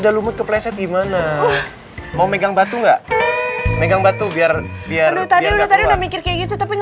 ada lumut kepleset gimana mau megang batu enggak megang batu biar biar udah mikir kayak gitu tapi